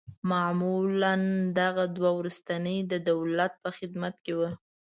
معمولاً دغه دوه وروستني د دولت په خدمت کې وه.